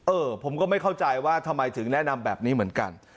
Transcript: เออผมก็ไม่เข้าใจว่าทำไมถึงแนะนำแบบนี้เหมือนกัน